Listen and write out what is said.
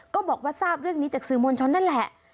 ก็บอกว่าทราบเรื่องนี้จากสื่อมวลชนนั่นแหละ